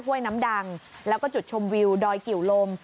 ห้วยน้ำดังแล้วก็จุดชมวิวดอยกิวลม